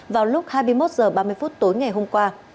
vào lúc hai mươi một h ba mươi phút tối ngày hôm qua